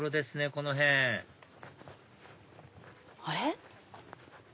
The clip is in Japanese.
この辺あれ？